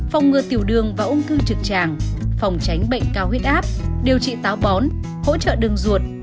phòng ngừa tiểu đường và ung thư trực tràng phòng tránh bệnh cao huyết áp điều trị táo bón hỗ trợ đường ruột